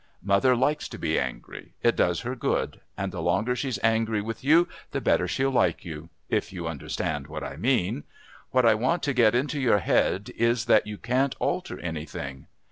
Mother likes to be angry, it does her good, and the longer she's angry with you the better she'll like you, if you understand what I mean. What I want to get into your head is that you can't alter anything.